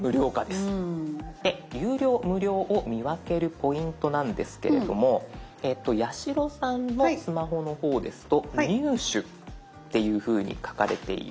有料無料を見分けるポイントなんですけれども八代さんのスマホの方ですと「入手」っていうふうに書かれている。